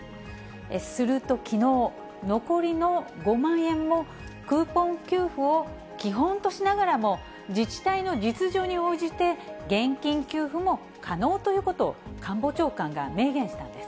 するときのう、残りの５万円もクーポン給付を基本としながらも、自治体の実情に応じて、現金給付も可能ということを官房長官が明言したんです。